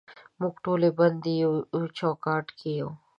موږ ټولې بندې یو چوکاټ کې یو